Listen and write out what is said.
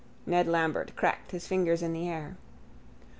Ned Lambert cracked his fingers in the air.